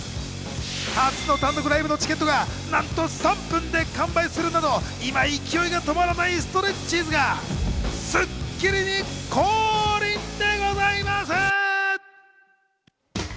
初の単独ライブのチケットがなんと３分で完売するなど、今勢いが止まらないストレッチーズが『スッキリ』に降臨でございます！